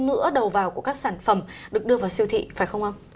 nữa đầu vào của các sản phẩm được đưa vào siêu thị phải không ông